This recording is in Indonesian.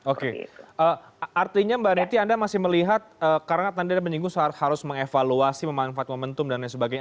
oke artinya mbak rety anda masih melihat karena tanda penyinggung harus mengevaluasi manfaat momentum dan lain sebagainya